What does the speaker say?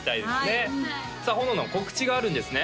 はいさあほののん告知があるんですね？